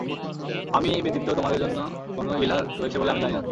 আমি ব্যতীত তোমাদের অন্য কোন ইলাহ রয়েছে বলে আমি জানি না।